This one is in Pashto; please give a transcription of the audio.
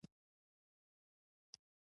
_وړه موضوع وه، خبرې يې غوښتې. ټوپک ته حاجت نه و.